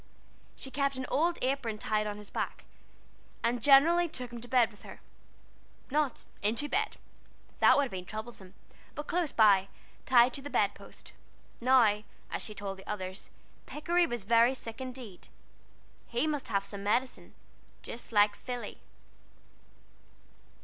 She kept an old apron tied on his back, and generally took him to bed with her not into bed, that would have been troublesome; but close by, tied to the bed post. Now, as she told the others, Pikery was very sick indeed. He must have some medicine, just like Philly.